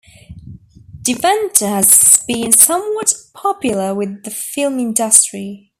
Deventer has been somewhat popular with the film industry.